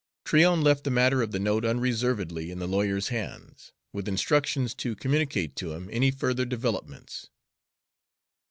Tryon left the matter of the note unreservedly in the lawyer's hands, with instructions to communicate to him any further developments.